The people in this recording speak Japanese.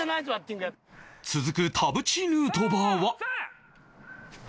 続く田渕ヌートバーは